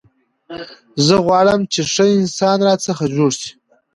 زه غواړم، چي ښه انسان راڅخه جوړ سي.